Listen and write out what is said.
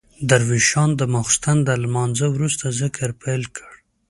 درویشان د ماخستن له لمانځه وروسته ذکر پیل کړ.